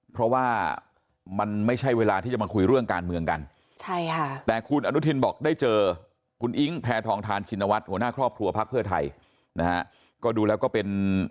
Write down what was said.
เพราะว่ามันไม่ใช่เวลาที่จะมาคุยเรื่องการเมืองกัน